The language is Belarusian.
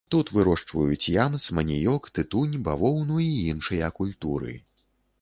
Тут вырошчваюць ямс, маніёк, тытунь, бавоўну і іншыя культуры.